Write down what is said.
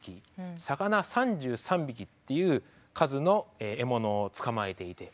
魚３３匹っていう数の獲物を捕まえていて。